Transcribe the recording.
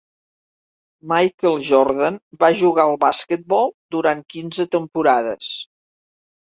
Michael Jordan va jugar al basquetbol durant quinze temporades.